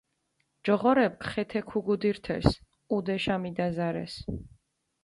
ჯოღორეფქ ხეთე ქუგუდირთეს, ჸუდეშა მიდაზარეს.